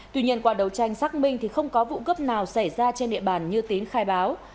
tuy nhiên qua đấu tranh xác minh thì không có vụ cướp nào xảy ra trên địa bàn như tín khai báo